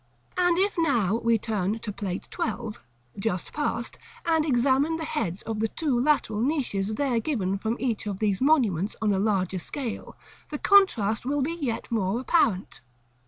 And if now we turn to Plate XII., just passed, and examine the heads of the two lateral niches there given from each of these monuments on a larger scale, the contrast will be yet more apparent.